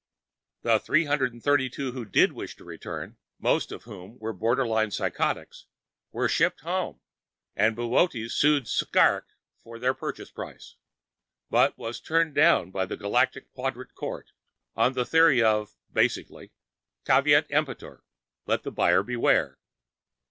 The 332 who did wish to return, most of whom were borderline psychotics, were shipped home, and Boötes sued Skrrgck for their purchase price, but was turned down by the Galactic Quadrant Court on the theory of, basically, Caveat Emptor let the buyer beware.